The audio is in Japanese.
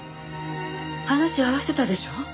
話合わせたでしょ？